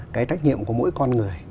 cái trách nhiệm của mỗi con người